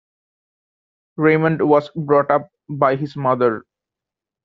Raymond was brought up by his mother.